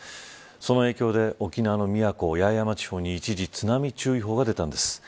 その影響で沖縄の宮古・八重山地方に一時、津波注意報が出たんです。